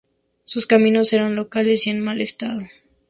Sus caminos eran locales y en mal estado.